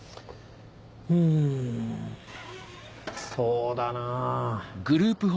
うんそうだなぁ。